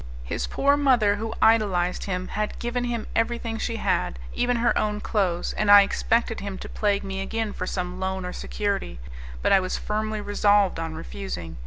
His poor mother who idolized him had given him everything she had, even her own clothes, and I expected him to plague me again for some loan or security, but I was firmly resolved on refusing.